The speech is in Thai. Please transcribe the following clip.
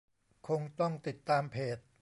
คงต้องติดตามเพจ